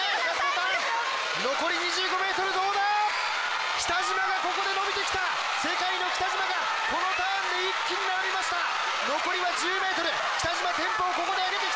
ターン残り２５ｍどうだ北島がここでのびてきた世界の北島がこのターンで一気に並びました残りは１０ｍ北島テンポをここであげてきた